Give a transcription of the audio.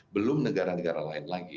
belum negara negara lain lagi